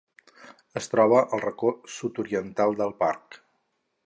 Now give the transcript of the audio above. Es troba al racó sud-oriental del parc.